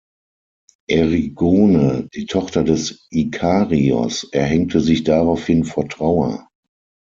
Erigone, die Tochter des Ikarios, erhängte sich daraufhin vor Trauer.